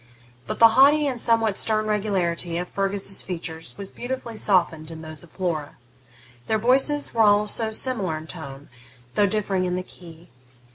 But the haughty and somewhat stern regularity of Fergus's features was beautifully softened in those of Flora. Their voices were also similar in tone, though differing in the key.